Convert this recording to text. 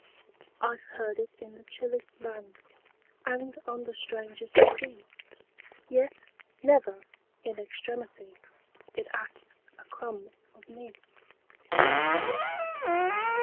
I 've heard it in the chillest land, And on the strangest sea; Yet, never, in extremity, It asked a crumb of me.